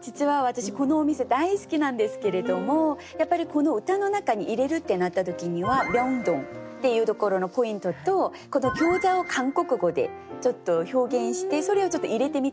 実は私このお店大好きなんですけれどもやっぱりこの歌の中に入れるってなった時には「明洞」っていうところのポイントとこの「餃子」を韓国語で表現してそれを入れてみたいなって思ったんですね。